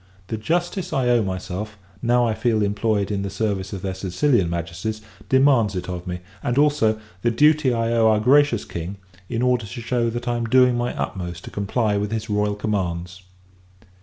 The justice I owe myself, now I feel employed in the service of their Sicilian Majesties, demands it of me; and, also, the duty I owe our gracious King, in order to shew that I am doing my utmost to comply with his royal commands.